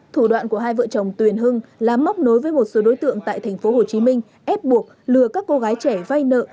thủ đoạn của hai vợ chồng tuyền hưng làm móc nối với một số đối tượng tại thành phố hồ chí minh ép buộc lừa các cô gái trẻ vay nợ